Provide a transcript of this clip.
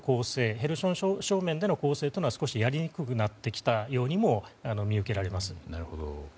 ヘルソン正面での攻勢やりにくくなってきたようにも見受けられます。